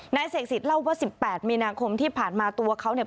เสกสิทธิเล่าว่า๑๘มีนาคมที่ผ่านมาตัวเขาเนี่ย